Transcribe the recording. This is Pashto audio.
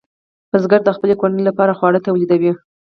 بزګر د خپلې کورنۍ لپاره خواړه تولیدوي.